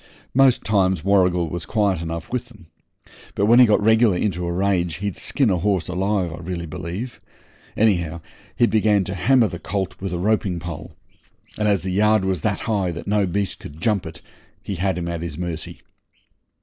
Most times Warrigal was quiet enough with 'em, but when he got regular into a rage he'd skin a horse alive, I really believe. Anyhow, he began to hammer the colt with a roping pole, and as the yard was that high that no beast could jump it he had him at his mercy.